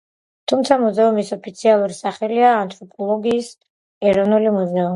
თუმცა მუზეუმის ოფიციალური სახელია: ანთროპოლოგიის ეროვნული მუზეუმი.